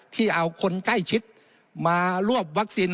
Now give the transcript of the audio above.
ที่เอาคนใกล้ชิดมารวบวัคซีน